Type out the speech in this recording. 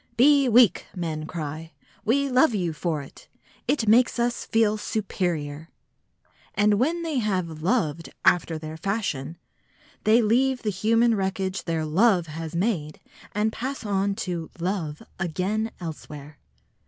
"Be weak!" men cry; "we love you for it. It makes us feel superior!" And when they have "loved" after their fashion, they leave the human wreckage their "love" has made and pass on to "love" again elsewhere.